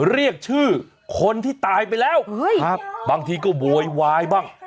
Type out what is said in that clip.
เรียกชื่อคนที่ตายไปแล้วบางทีก็โวยวายบ้าง